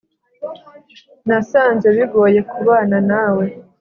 nasanze bigoye kubana na we